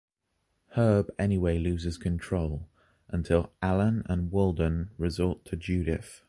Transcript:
Herb anyway looses control, until Alan and Walden resort to Judith.